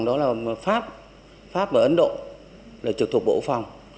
đó là pháp và ấn độ là trực thuộc bộ quốc phòng